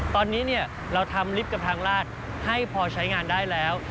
ตอนนี้เราทำลิฟต์กับทางราชให้พอใช้งานได้แล้ว